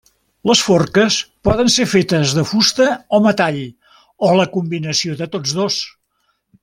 Les forques poden ser fetes de fusta o metall o la combinació de tots dos.